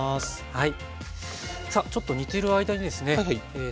はい。